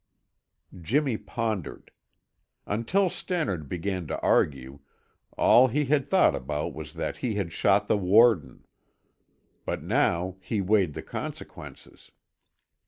Jimmy pondered. Until Stannard began to argue, all he had thought about was that he had shot the warden, but now he weighed the consequences.